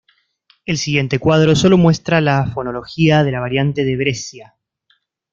El siguiente cuadro solo muestra la fonología de la variante de Brescia.